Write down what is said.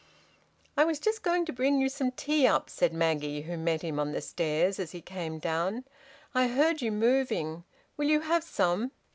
_" "I was just going to bring you some tea up," said Maggie, who met him on the stairs as he came down. "I heard you moving. Will you have some?"